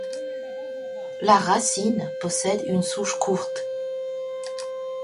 La racine possède une souche courte.